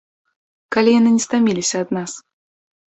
Калі яны не стаміліся ад нас!